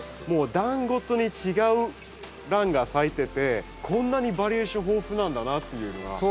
もう段ごとに違うランが咲いててこんなにバリエーション豊富なんだなっていうのが。